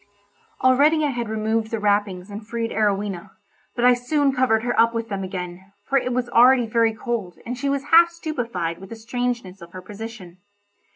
Already I had removed the wrappings and freed Arowhena; but I soon covered her up with them again, for it was already very cold, and she was half stupefied with the strangeness of her position.